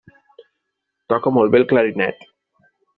Toca molt bé el clarinet.